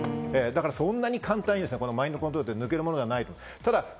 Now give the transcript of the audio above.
そんなに簡単にマインドコントロールは抜けるものじゃない。